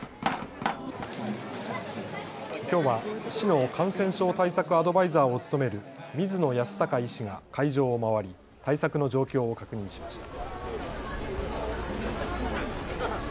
きょうは市の感染症対策アドバイザーを務める水野泰孝医師が会場を回り対策の状況を確認しました。